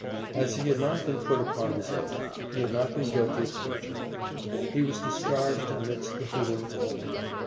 As he had not been put upon his oath, he had not been guilty of perjury; he was discharged amidst the hootings of the mob.